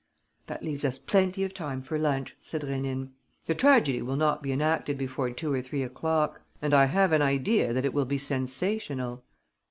"That leaves us plenty of time for lunch," said Rénine. "The tragedy will not be enacted before two or three o'clock. And I have an idea that it will be sensational."